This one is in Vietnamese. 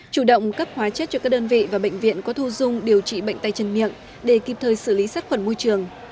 chủ động cấp hóa chất cho các đơn vị và bệnh viện có thu dung điều trị bệnh tay chân miệng để kịp thời xử lý sát khuẩn môi trường